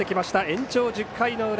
延長１０回の裏。